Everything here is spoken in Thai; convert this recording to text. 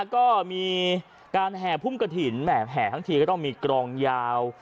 ก็มีการแห่พุ่มกระถิ่นแห่ทั้งทีก็ต้องมีกรองยาว